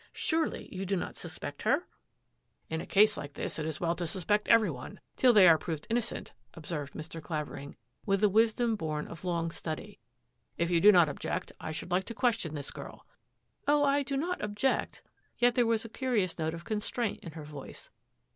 Surely you do not suspect Vhen her? " your " In a case like this it is well to suspect every ? the one till they are provied innocent," observed Mr. your Clavering, with a wisdom bom of long study. P^r « If you do not object, I should like to question nvic this girl." " Oh, I do not object." Yet there was a cu '^ay. rious note of constraint in her voice.